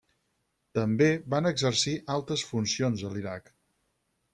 També van exercir altes funcions a l'Iraq.